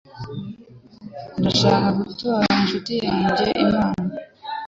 Ndashaka gutora inshuti yanjye impano.